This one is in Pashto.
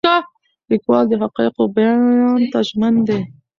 لیکوال د حقایقو بیان ته ژمن دی.